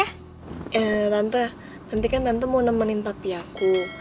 eh tante nanti kan tante mau nemenin tapiaku